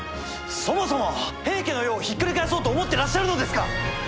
そもそも平家の世をひっくり返そうと思ってらっしゃるのですか！